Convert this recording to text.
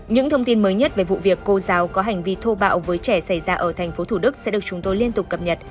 những thông tin mới nhất về vụ việc cô giáo có hành vi thô bạo với trẻ xảy ra ở tp thủ đức sẽ được chúng tôi liên tục cập nhật